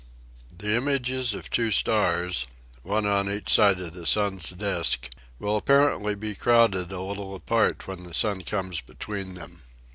The images of two stars, one on each side of the sun's disk, will apparently be crowded a little apart when the sun comes between them.